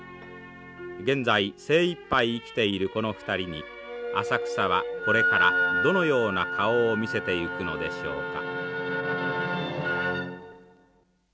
現在精いっぱい生きているこの２人に浅草はこれからどのような顔を見せていくのでしょうか。